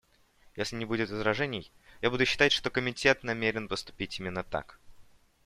Если не будет возражений, я буду считать, что Комитет намерен поступить именно так.